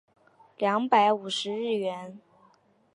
两百五十日圆